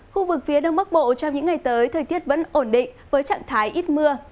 khu vực phía đông bắc bộ trong những ngày tới thời tiết vẫn ổn định với trạng thái ít mưa